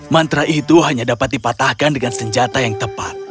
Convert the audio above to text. mantra itu hanya dapat dipatahkan dengan senjata yang tepat